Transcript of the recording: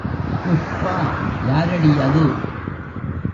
புஷ்பா யாரடி அது?